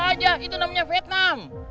apa ada kaitannya dengan hilangnya sena